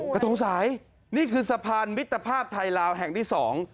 กระทงสายนี่คือสะพานวิทยาภาพไทยลาวแห่งที่สอง